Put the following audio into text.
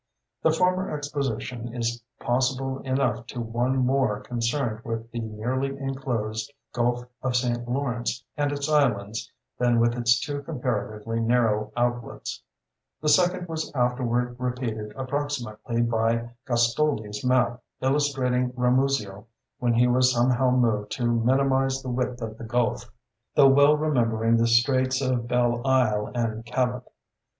The former exposition is possible enough to one more concerned with the nearly enclosed Gulf of St. Lawrence and its islands than with its two comparatively narrow outlets; the second was afterward repeated approximately by Gastoldi's map illustrating Ramusio when he was somehow moved to minimize the width of the Gulf, though well remembering the straits of Belle Isle and Cabot.